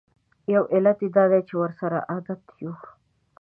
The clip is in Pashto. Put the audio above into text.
یو علت یې دا دی چې ورسره عادت یوو.